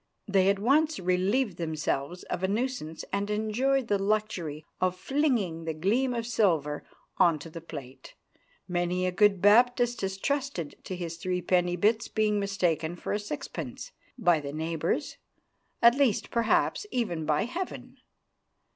They at once relieved themselves of a nuisance, and enjoyed the luxury of flinging the gleam of silver on to the plate. Many a good Baptist has trusted to his threepenny bit's being mistaken for a sixpence, by the neighbours, at least perhaps even by Heaven.